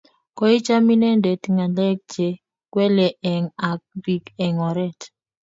koicham inendet ngalek che kwele ge ak bik eng oret